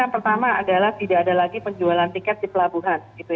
yang ingin saya sampaikan yang pertama adalah tidak ada lagi penjualan tiket di pelabuhan